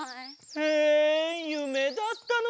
えゆめだったのか。